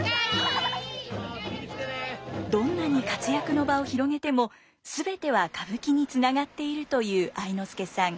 どんなに活躍の場を広げても全ては歌舞伎につながっているという愛之助さん。